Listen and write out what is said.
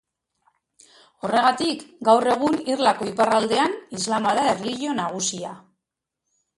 Horregatik, gaur egun irlako iparraldean islama da erlijio nagusia.